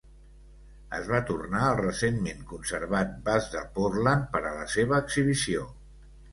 Es va tornar el recentment conservat Vas de Portland per a la seva exhibició.